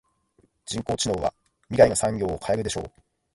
人工知能は未来の産業を変えるでしょう。